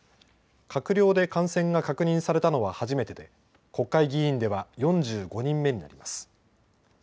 閣僚で感染が確認されたのは初めてで国会議員では４５人目になります。